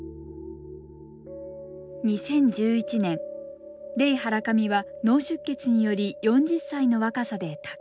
２０１１年レイ・ハラカミは脳出血により４０歳の若さで他界。